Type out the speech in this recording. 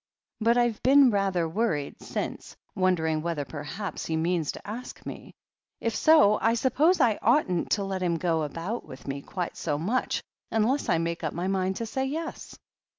But I've been rather worried since, wondering whether perhaps he means to ask me. If so, I suppose I oughtn't to let him go about with me quite so much unless I make up my mind to say *yes.'